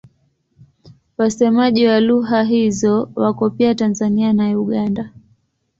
Wasemaji wa lugha hizo wako pia Tanzania na Uganda.